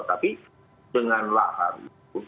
tapi dengan lahar itu